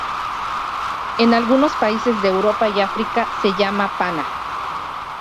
En algunos países de Europa y África se llama "panna".